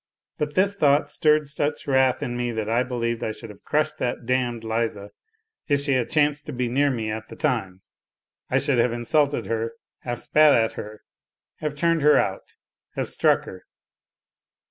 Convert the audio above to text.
But this thought stirred such wrath in me that I believed I should have crushed that " damned " Liza if she had chanced to be near me at the time. I should have insulted her, have spat at her, have turned her out, have struck her